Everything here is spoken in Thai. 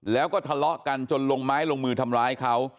แล้วก็ทะเลาะกันจนลงไม้ลงมือทำร้ายเขา